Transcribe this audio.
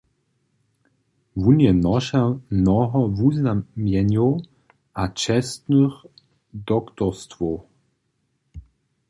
Wón je nošer mnoho wuznamjenjenjow a čestnych doktorstwow.